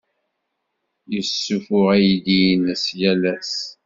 Yessuffuɣ aydi-nnes yal ass.